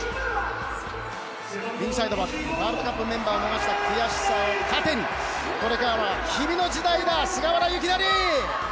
右サイドバックワールドカップメンバーを逃した悔しさを糧にこれからは君の時代だ菅原由勢。